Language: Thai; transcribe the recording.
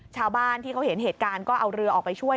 ชาวบ้านที่เขาเห็นเหตุการณ์ก็เอาเรือออกไปช่วย